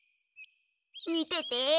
みてて。